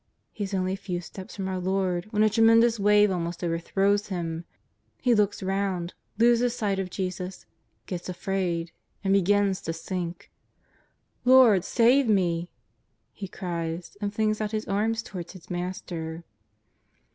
He is only a few steps from our Lord when a tremen dous wave almost overthrows him. He looks round, loses sight of Jesus, gets afraid and begins to sink. " Lord, save me !'' he cries, and flings out his arms towards his Master.